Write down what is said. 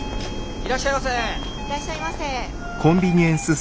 いらっしゃいませ。